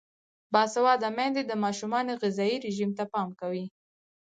باسواده میندې د ماشومانو غذايي رژیم ته پام کوي.